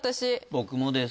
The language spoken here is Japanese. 僕もです。